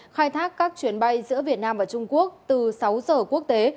khai thác các chuyến bay giữa việt nam và trung quốc từ sáu giờ quốc tế